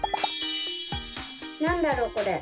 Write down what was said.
なんだろうこれ？